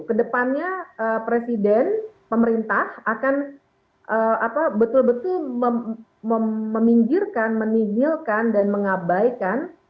kedepannya presiden pemerintah akan betul betul meminggirkan menihilkan dan mengabaikan